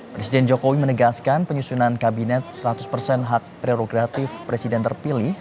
presiden jokowi menegaskan penyusunan kabinet seratus persen hak prerogatif presiden terpilih